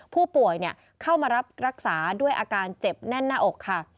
ผู้ป่วยเข้ามารับรักษาด้วยอาการเจ็บแน่นหน้าอกค่ะ